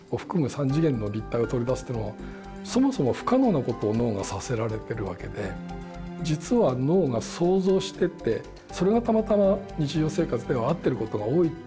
３次元の立体を取り出すっていうのはそもそも不可能なことを脳がさせられてるわけで実は脳が想像しててそれがたまたま日常生活では合ってることが多いっていう。